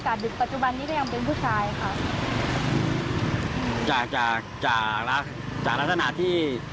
คือจริงรักภพเขาก็ไม่มีสิทธิ์